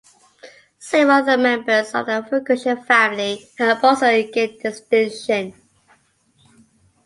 Several other members of the Fergusson family have also gained distinction.